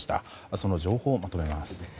その情報をまとめます。